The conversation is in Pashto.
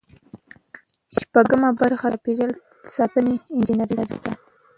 شپږمه برخه د چاپیریال ساتنې انجنیری ده.